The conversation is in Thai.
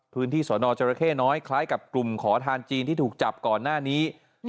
สอนอจรเข้น้อยคล้ายกับกลุ่มขอทานจีนที่ถูกจับก่อนหน้านี้